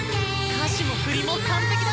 歌詞も振りも完璧だ！